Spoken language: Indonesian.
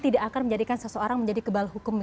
tidak akan menjadikan seseorang menjadi kebal hukum